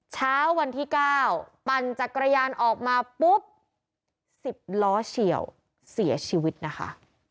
เช้าวันที่๙ปั่นจักรยานออกมาปุ๊บ๑๐ล้อเฉียวเสียชีวิตนะคะ